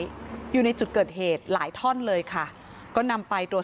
เบอร์ลูอยู่แบบนี้มั้งเยอะมาก